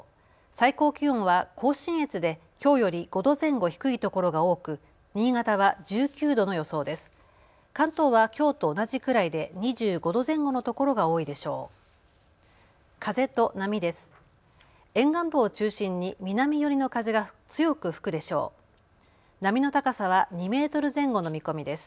最高気温は甲信越できょうより５度前後低い所が多く新潟は１９度の予想です。